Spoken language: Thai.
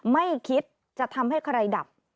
ไม่คิดจะทำให้ใครดับ